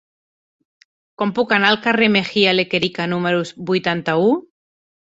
Com puc anar al carrer de Mejía Lequerica número vuitanta-u?